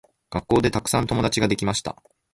学校でたくさん友達ができました。